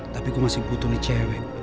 tapi gue masih butuh nih cewek